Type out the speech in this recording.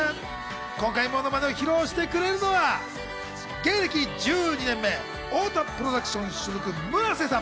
今回ものまねを披露してくれるのは芸歴１２年目、太田プロダクション所属のむらせさん。